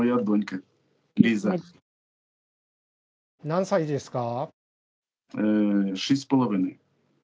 ・何歳ですか？